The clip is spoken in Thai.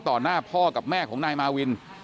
หน้าพ่อกับแม่ของนายมาวิน